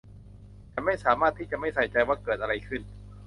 ฉันไม่สามารถที่จะไม่ใส่ใจว่าเกิดอะไรขึ้น